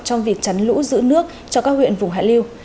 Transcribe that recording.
trong việc chắn lũ giữ nước cho các huyện vùng hạ liêu